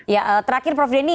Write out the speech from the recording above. ya terakhir prof denny